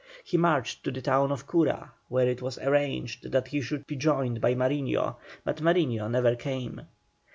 He marched to the town of Cura, where it was arranged that he should be joined by Mariño, but Mariño never came.